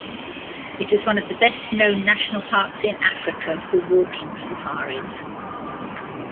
It is one of the best-known national parks in Africa for walking safaris.